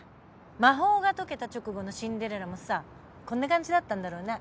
魔法がとけた直後のシンデレラもさこんな感じだったんだろうな。